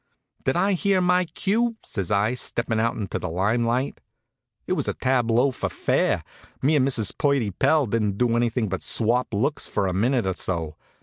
"Did I hear my cue?" says I, steppin' out into the lime light. It was a tableau, for fair. Me and Mrs. Purdy Pell didn't do anything but swap looks for a minute or so.